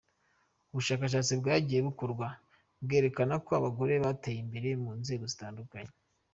Ubushakashatsi bwagiye bukorwa bwerekana ko abagore bateye imbere mu nzego zitandukanye.